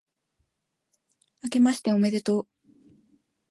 明けましておめでとう